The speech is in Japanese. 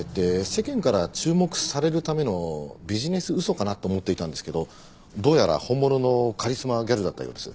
世間から注目されるためのビジネス嘘かなと思っていたんですけどどうやら本物のカリスマギャルだったようです。